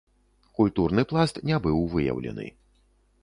Культурны пласт не быў выяўлены.